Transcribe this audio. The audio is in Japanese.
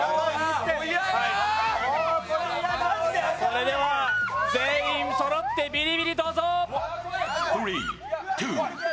それでは全員そろってビリビリどうぞ。